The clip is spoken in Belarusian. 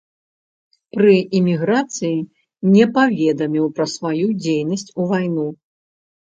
Пры іміграцыі не паведаміў пра сваю дзейнасць у вайну.